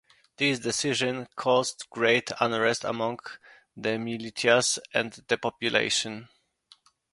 This decision caused great unrest among the militias and the population.